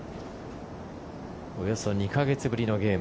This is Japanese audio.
およそ２か月ぶりのゲーム。